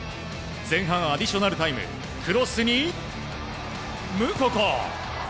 前半アディショナルタイムクロスにムココ！